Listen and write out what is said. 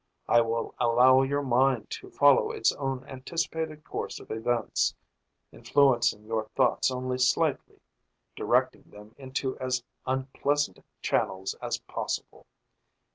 I will allow your mind to follow its own anticipated course of events, influencing your thoughts only slightly directing them into as unpleasant channels as possible.